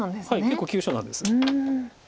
結構急所なんです。